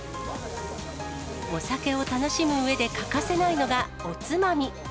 お酒を楽しむうえで欠かせないのが、おつまみ。